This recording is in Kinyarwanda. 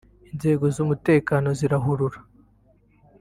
inzego z’umutekano zirahurura